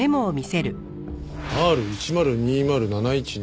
「Ｒ１０２０７１２」